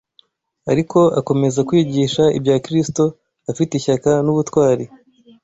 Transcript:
ariko akomeza kwigisha ibya Kristo afite ishyaka n’ubutwari